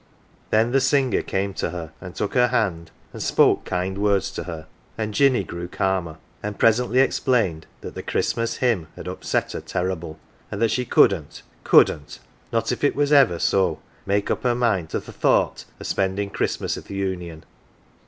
Then the singer came to her, and took her hand, and spoke kinds words to her ; and Jinny grew calmer, and presently explained that the Christmas Hymn had upset her terrible, and that she couldn't, couldn't, not if it was ever so, make up her mind to th' thought o' spendin' Christmas i' th' Union.